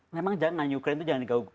memang jangan ukraine tuh jangan digau gau